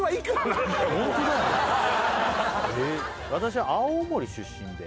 「私は青森出身で」